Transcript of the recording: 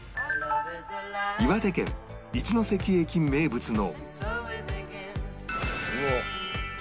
岩手県一ノ関駅名物の